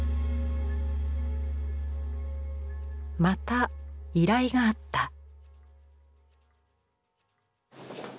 また依頼があった。